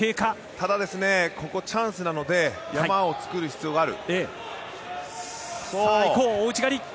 ただ、ここチャンスなので山を作る必要がある。